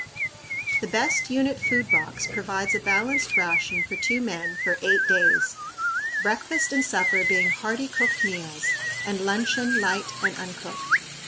The best unit food box provides a balanced ration for two men for eight days, breakfast and supper being hearty, cooked meals, and luncheon light and uncooked.